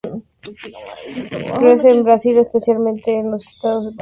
Crece en Brasil, especialmente en los estados de Bahia y Pernambuco.